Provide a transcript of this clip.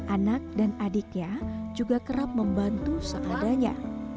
anak dan adiknya juga kerap membantu seadanya